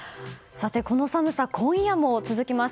この寒さ、今夜も続きます。